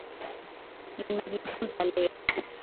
ninajifunza leo